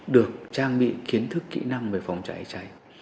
được trang bị kiến thức kỹ năng về phòng cháy cháy